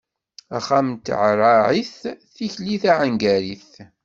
Axxam n tɛerɛarit, tikli taɛengarit.